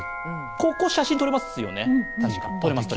ここ、写真撮れます。